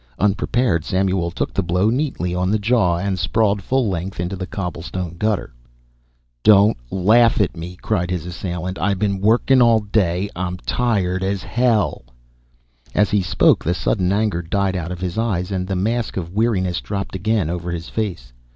Unprepared, Samuel took the blow neatly on the jaw and sprawled full length into the cobblestone gutter. "Don't laugh at me!" cried his assailant. "I been workin' all day. I'm tired as hell!" As he spoke the sudden anger died out of his eyes and the mask of weariness dropped again over his face.